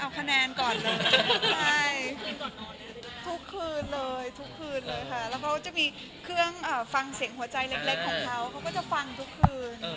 เอาคะแนนก่อนเลยใช่ทุกคืนเลยทุกคืนเลยค่ะแล้วเขาจะมีเครื่องฟังเสียงหัวใจเล็กของเขาเขาก็จะฟังทุกคืน